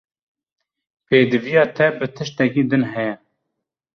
Pêdiviya te bi tiştekî din heye?